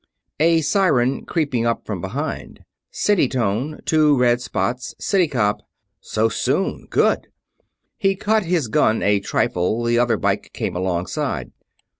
A siren creeping up from behind. City tone. Two red spots city cop so soon good! He cut his gun a trifle, the other bike came alongside.